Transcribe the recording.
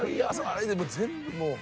あれで全部もう。